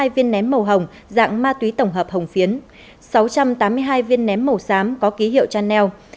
bốn sáu trăm chín mươi hai viên ném màu hồng dạng ma túy tổng hợp hồng phiến sáu trăm tám mươi hai viên ném màu xám có ký hiệu chanel